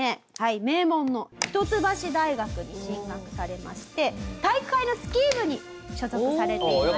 名門の一橋大学に進学されまして体育会のスキー部に所属されていました。